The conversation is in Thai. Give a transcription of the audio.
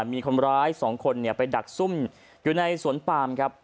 มีคนร้าย๒คนไปดักซุ่มอยู่ในสวนปามครับ